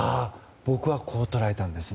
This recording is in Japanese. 僕は、こう捉えたんです。